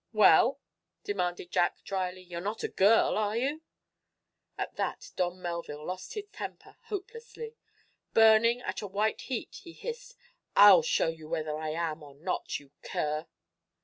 "Well," demanded Jack, dryly, "you're not a girl, are you?" At that Don Melville lost his temper hopelessly. Burning at a white heat, he hissed: "I'll show you whether I am, or not, you cur!"